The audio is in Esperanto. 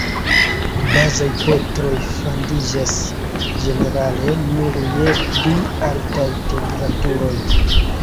Bazaj petroj fandiĝas ĝenerale nur je pli altaj temperaturoj.